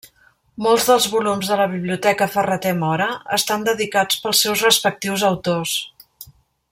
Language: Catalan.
Molts dels volums de la Biblioteca Ferrater Mora estan dedicats pels seus respectius autors.